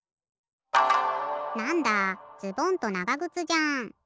なんだズボンとながぐつじゃん。